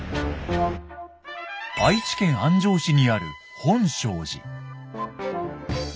愛知県安城市にある本證寺。